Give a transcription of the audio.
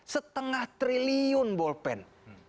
setengah triliun ballpoint